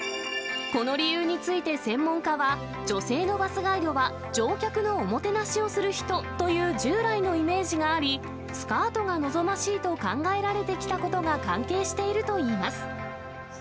この理由について、専門家は女性のバスガイドは乗客のおもてなしをする人という従来のイメージがあり、スカートが望ましいと考えられてきたことが関係しているといいます。